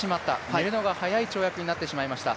寝るのが早い跳躍になってしまいました。